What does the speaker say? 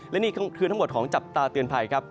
และนี่คือทั้งหมดของจับตาเตือนภัยครับ